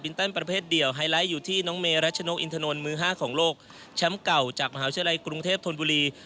และชนกอินทนนมือห้าของโลกแชมป์เก่าจากมหาวิชาลัยกรุงเทพธนบุรี